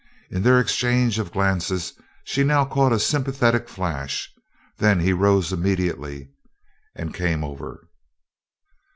In their exchange of glances she now caught a sympathetic flash; then he rose immediately and came over.